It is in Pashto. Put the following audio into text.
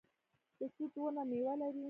د توت ونه میوه لري